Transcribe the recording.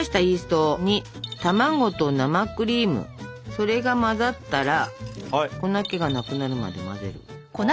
それが混ざったら粉けがなくなるまで混ぜる。